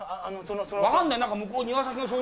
分かんない。